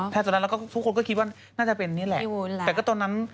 แท้ตอนนั้นแล้วก็ทุกคนคิดว่าน่าจะเป็นนี่แหละ